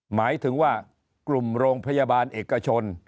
หมายถึงว่ากลุ่มโรงพยาบาลเอกชน